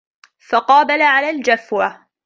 فَقَابَلَ عَلَى الْجَفْوَةِ